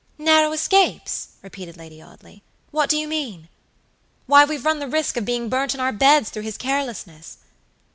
"Narrow escapes!" repeated Lady Audley. "What do you mean?" "Why, we've run the risk of being burnt in our beds through his carelessness."